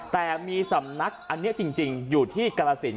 แต่มีสำนักอันนี้จริงอยู่ที่กรสิน